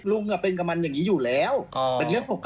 ลุงเป็นอย่างงี้อยู่แล้วประเด็ทนี้ปกติ